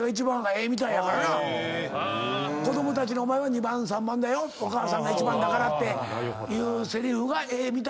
子供たちに「お前は二番三番」「お母さんが一番だから」っていうせりふがええみたいやけど。